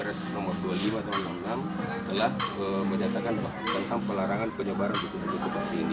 jadi beliau sepakat dengan saya akan menyebarkan buku buku ini dan akan mengembalikan ke percetakan